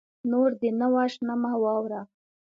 نور دې نه وژنمه واوره